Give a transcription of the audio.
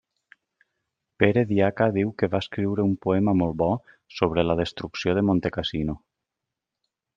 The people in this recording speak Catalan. Pere Diaca diu que va escriure un poema molt bo sobre la destrucció de Montecassino.